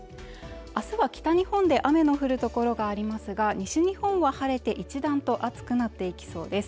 明日は北日本で雨の降る所がありますが西日本は晴れて一段と暑くなっていきそうです